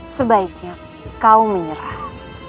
sebaiknya kau menyerah